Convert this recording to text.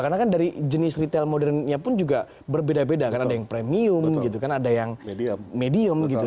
karena kan dari jenis retail modernnya pun juga berbeda beda kan ada yang premium gitu kan ada yang medium gitu